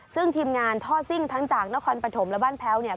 ซึ่งทีมงานท่อซิ่งทั้งจากนครปฐมและบ้านแพ้วเนี่ย